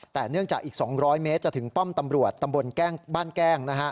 แต่เนื่องจากอีก๒๐๐เมตรจะถึงป้อมตำรวจตำบลบ้านแก้ง